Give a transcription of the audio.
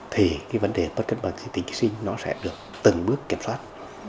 thì vấn đề tất cân bằng kinh tinh sinh nó sẽ được từng bước kiểm soát